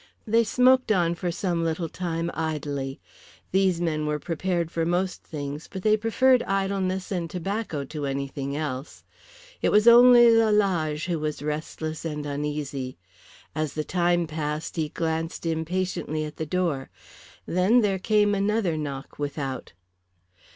They smoked on for some little time idly. These men were prepared for most things, but they preferred idleness and tobacco to anything else. It was only Lalage who was restless and uneasy. As the time passed he glanced impatiently at the door. Then there came another knock without.